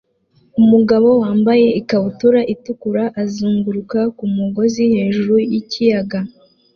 Umugabo wambaye ikabutura itukura azunguruka ku mugozi hejuru yikiyaga